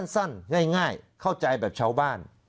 สั้นง่ายเข้าใจแบบชาวบ้าน